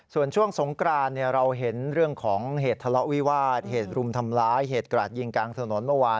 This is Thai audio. ส่วนช่วงสงกรานเราเห็นเรื่องของเหตุทะเลาะวิวาสเหตุรุมทำร้ายเหตุกราดยิงกลางถนนเมื่อวาน